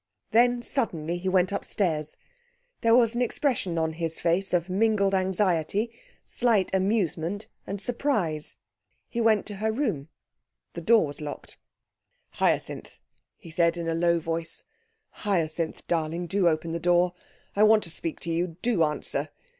Then, suddenly, he went upstairs. There was an expression on his face of mingled anxiety, slight amusement, and surprise. He went to her room. The door was locked. 'Hyacinth,' he said in a low voice, 'Hyacinth, darling, do open the door.... I want to speak to you. Do answer.